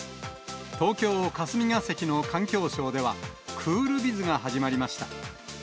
東京・霞が関の環境省では、クールビズが始まりました。